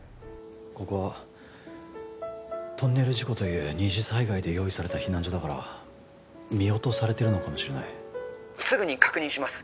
ここはトンネル事故という二次災害で用意された避難所だから見落とされてるのかもしれない☎すぐに確認します